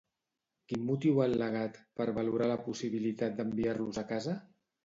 Quin motiu ha al·legat per valorar la possibilitat d'enviar-los a casa?